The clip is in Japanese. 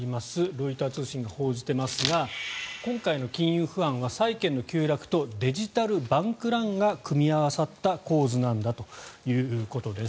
ロイター通信が報じていますが今回の金融不安は債券の急落とデジタル・バンクランが組み合わさった構図なんだということです。